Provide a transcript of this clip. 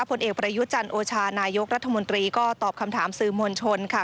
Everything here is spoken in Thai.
ผลเอกประยุจันทร์โอชานายกรัฐมนตรีก็ตอบคำถามสื่อมวลชนค่ะ